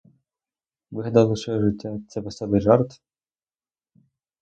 Ви гадали, що життя — це веселий жарт?